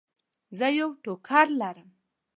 زه یو ټوکر لرم.